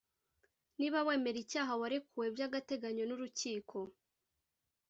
Niba wemera icyaha warekuwe by agateganyo n urukiko